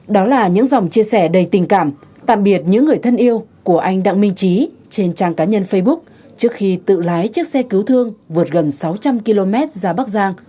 đó là những dòng chia sẻ đầy tình cảm tạm biệt những người thân yêu của anh đặng minh trí trên trang cá nhân facebook trước khi tự lái chiếc xe cứu thương vượt gần sáu trăm linh km ra bắc giang